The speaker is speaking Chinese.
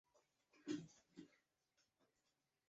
中坜神社为台湾日治时期新竹州中坜郡中坜街的神社。